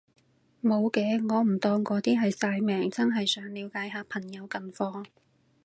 無嘅，我唔當嗰啲係曬命，真係想了解下朋友近況